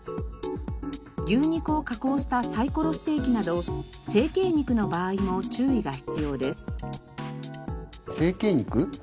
牛肉を加工したサイコロステーキなど成型肉の場合も注意が必要です。